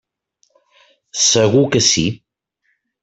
Segur que sí.